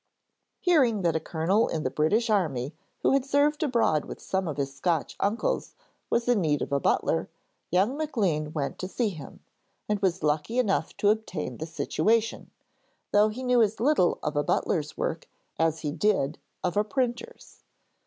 Hearing that a Colonel in the British army who had served abroad with some of his Scotch uncles was in need of a butler, young Maclean went to see him, and was lucky enough to obtain the situation, though he knew as little of a butler's work as he did of a printer's.